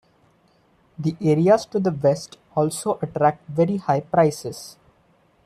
The areas to the west also attract very high prices.